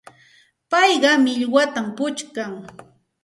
Payqa millwatam puchkan.